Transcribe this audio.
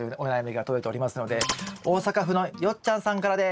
大阪府のよっちゃんさんからです。